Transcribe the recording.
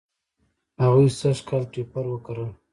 هغوی سږ کال ټیپر و کرل.